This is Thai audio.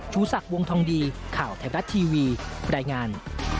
ชูสักวงธองดีข่าวแถวรัฐทีวีแปรงาน